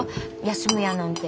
休むやなんて。